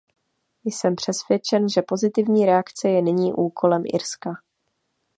Jsem přesvědčen, že pozitivní reakce je nyní úkolem Irska.